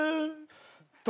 と。